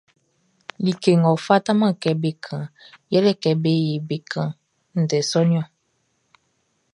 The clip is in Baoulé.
Like ngʼɔ fataman kɛ be kanʼn yɛle kɛ be yɛ be kan ndɛ sɔʼn niɔn.